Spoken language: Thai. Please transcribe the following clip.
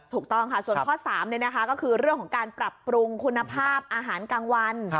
ถูกต้องค่ะส่วนข้อ๓ก็คือเรื่องของการปรับปรุงคุณภาพอาหารกลางวัน